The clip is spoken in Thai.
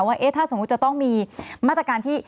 ว่าถ้าสมมุติจะต้องมีมาตรการที่